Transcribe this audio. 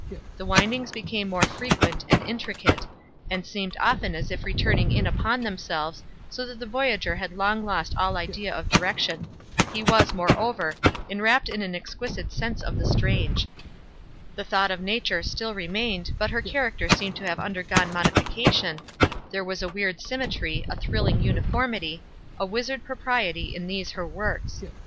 The windings became more frequent and intricate, and seemed often as if returning in upon themselves, so that the voyager had long lost all idea of direction. He was, moreover, enwrapt in an exquisite sense of the strange. The thought of nature still remained, but her character seemed to have undergone modification, there was a weird symmetry, a thrilling uniformity, a wizard propriety in these her works.